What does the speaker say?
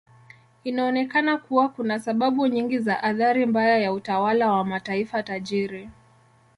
Inaonekana kuwa kuna sababu nyingi za athari mbaya ya utawala wa mataifa tajiri.